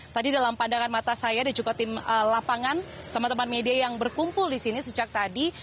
tadi dalam pandangan mata saya dan juga tim lapangan teman teman media yang berkumpul di sini sejak tadi